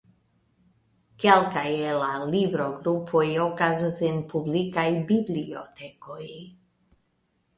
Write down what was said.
Kelkaj el la librogrupoj okazas en publikaj bibliotekoj.